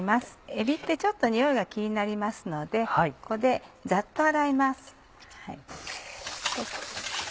えびってちょっとニオイが気になりますのでここでざっと洗います。